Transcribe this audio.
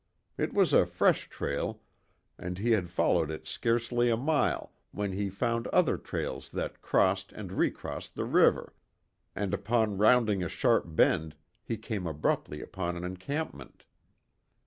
It was a fresh trail, and he had followed it scarcely a mile when he found other trails that crossed and recrossed the river, and upon rounding a sharp bend, he came abruptly upon an encampment.